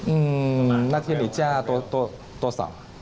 อืมนั่นทีนี่จ้าต้อต้อสาม